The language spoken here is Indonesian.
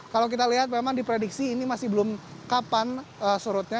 kalau kita lihat memang diprediksi ini masih belum kapan surutnya